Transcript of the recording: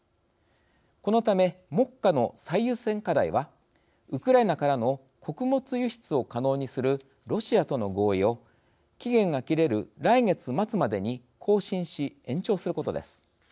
このため、目下の最優先課題はウクライナからの穀物輸出を可能にするロシアとの合意を期限が切れる来月末までに更新し、延長することです。